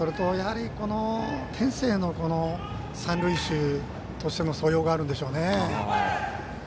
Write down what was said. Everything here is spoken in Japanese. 天性の三塁手としての素養があるんでしょうね。